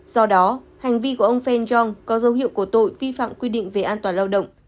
do đó hành vi của ông feng yong có dấu hiệu của tội vi phạm quy định về an toàn lao động